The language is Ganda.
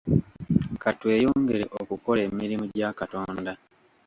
Ka tweyongere okukola emirimu gya Katonda.